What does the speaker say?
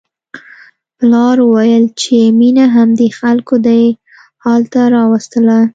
پلار وویل چې مينه همدې خلکو دې حال ته راوستله